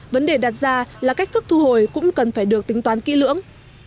vấn đề đặt ra là cách thức thu hồi cũng cần phải được tính toán kỹ lưỡng